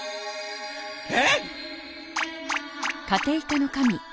えっ？